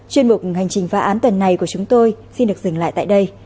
chuyên mục hành trình phá án tuần này của chúng tôi xin được dừng lại tại đây